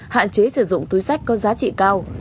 hạn chế sử dụng túi sách có giá trị cao